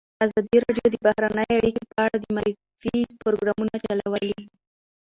ازادي راډیو د بهرنۍ اړیکې په اړه د معارفې پروګرامونه چلولي.